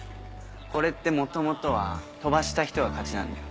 これって元々は飛ばした人が勝ちなんだよ。